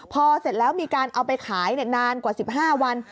พอเสร็จแล้วมีการเอาไปขายนานกว่า๑๕วัน